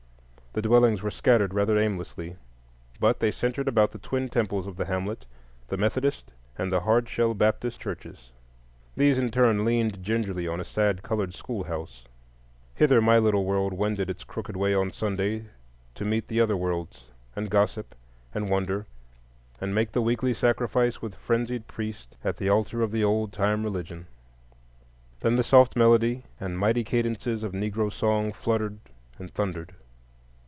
The dwellings were scattered rather aimlessly, but they centred about the twin temples of the hamlet, the Methodist, and the Hard Shell Baptist churches. These, in turn, leaned gingerly on a sad colored schoolhouse. Hither my little world wended its crooked way on Sunday to meet other worlds, and gossip, and wonder, and make the weekly sacrifice with frenzied priest at the altar of the "old time religion." Then the soft melody and mighty cadences of Negro song fluttered and thundered.